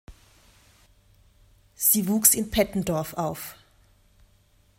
Sie wuchs in Pettendorf auf.